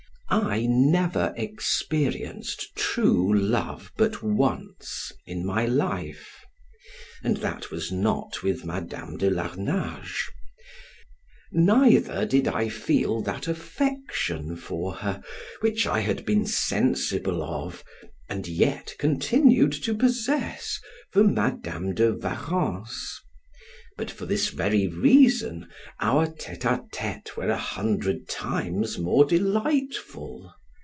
I never experienced true love but once in my life, and that was not with Madam de Larnage, neither did I feel that affection for her which I had been sensible of, and yet continued to possess, for Madam de Warrens; but for this very reason, our tete a tetes were a hundred times more delightful.